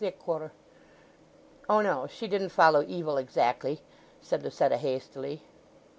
"O no; she didn't do evil exactly!" said Lucetta hastily.